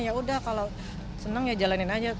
ya udah kalau seneng ya jalanin aja